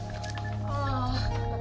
ああ。